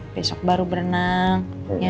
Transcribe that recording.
besok baru berenang